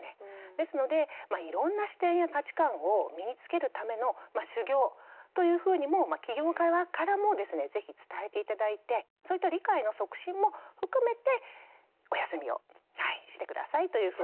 ですのでいろんな視点や価値観を身につけるための修業というふうにも企業側からもですね是非伝えて頂いてそういった理解の促進も含めてお休みをして下さいというふうに言って頂きたいなというふうに思います。